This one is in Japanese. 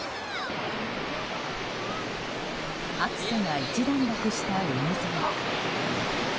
暑さが一段落した海沿い。